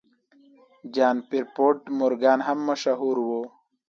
جان پیرپونټ مورګان هم مشهور و.